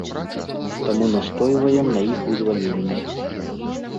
Таму настойваем на іх вызваленні.